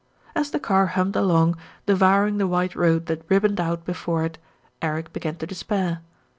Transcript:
As the car hummed along, devouring the white road that ribboned out before it, Eric began to despair.